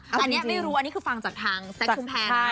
อันนี้ไม่รู้อันนี้คือฟังจากทางแซคชุมแพรนะ